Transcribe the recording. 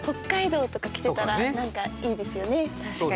確かに。